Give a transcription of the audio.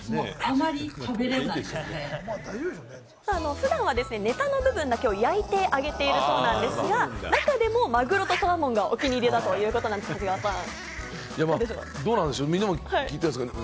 普段はネタの部分だけを焼いてあげているそうなんですが、中でもマグロとサーモンがお気に入りだということなんですよ、長谷川さん。